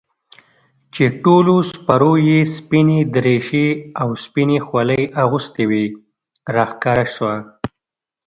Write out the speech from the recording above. چې ټولو سپرو يې سپينې دريشۍ او سپينې خولۍ اغوستې وې راښکاره سوه.